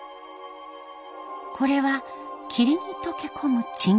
これは霧に溶け込む沈下橋。